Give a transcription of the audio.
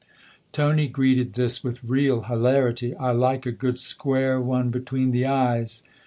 Tony greeted this with real hilarity. "I like a good square one between the eyes